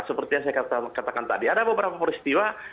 seperti yang saya katakan tadi ada beberapa peristiwa